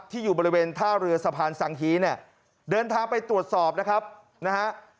อยู่บริเวณท่าเรือสะพานสังฮีเนี่ยเดินทางไปตรวจสอบนะครับนะฮะ